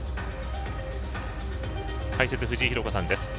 解説、藤井寛子さんです。